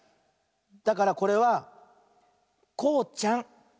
だからこれは「こうちゃん」。